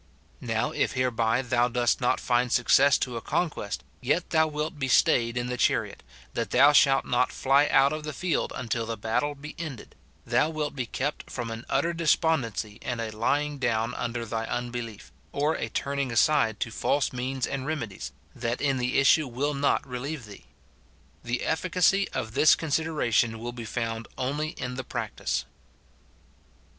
Now, if hereby thou dost not find success to a conquest, yet thou wilt be staid in the chariot, that thou shalt not fly out of the field until the battle be ended ; thou wilt be kept from an utter despondency and a lying down under thy unbelief, or a turning aside to false means and reme dies, that in the issue will not relieve thee. The effi cacy of this consideration will be found only in the practice.